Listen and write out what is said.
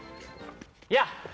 いや！